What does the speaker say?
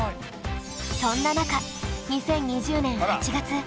そんな中２０２０年８月